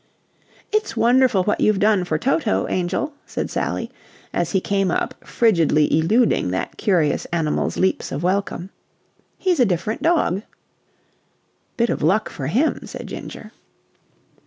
"It's wonderful what you've done for Toto, angel," said Sally, as he came up frigidly eluding that curious animal's leaps of welcome. "He's a different dog." "Bit of luck for him," said Ginger.